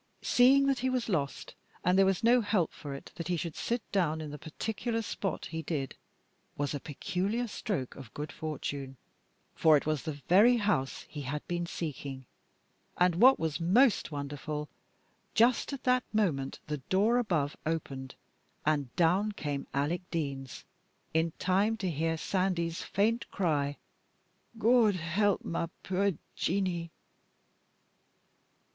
Seeing that he was lost, and there was no help for it, that he should sit down in the particular spot he did was a peculiar stroke of good fortune, for it was the very house he had been seeking, and what was most wonderful, just at that moment the door above opened, and down came Alec Deans in time to hear Sandy's faint cry, "God help my puir Jeanie!"